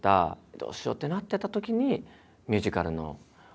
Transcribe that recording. どうしようってなってたときにミュージカルのお話頂いて。